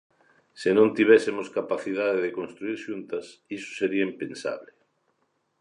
Se non tivésemos capacidade de construír xuntas, iso sería impensable.